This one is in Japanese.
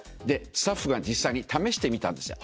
スタッフが実際に試してみたんですよ